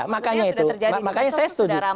makanya itu sudah terjadi